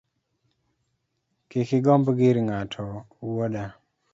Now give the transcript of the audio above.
Kik igomb gir ng’ato wuoda